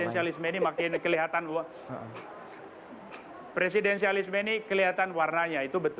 saya setuju bahwa presidensialisme ini kelihatan warnanya